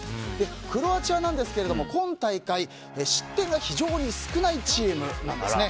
クロアチアなんですが、今大会失点が非常に少ないチームなんですね。